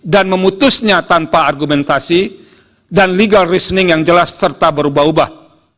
dan memutusnya tanpa argumentasi dan legal reasoning yang jelas serta berubah ubah